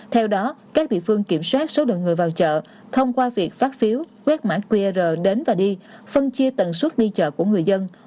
theo đó các địa phương kiểm soát số lượng người vào chợ thông qua việc phát phiếu quét mã qr đến và đi phân chia tần suất đi chợ của người dân